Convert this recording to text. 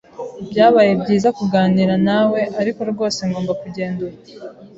Byabaye byiza kuganira nawe, ariko rwose ngomba kugenda ubu.